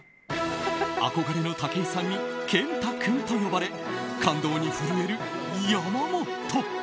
憧れの武井さんに賢太君と呼ばれ感動に震える山本。